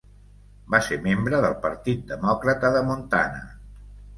Va ser membre del Partit Demòcrata de Montana.